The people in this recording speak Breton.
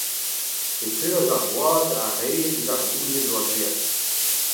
E teuas ar gwad a-red eus ar gouli en doa graet.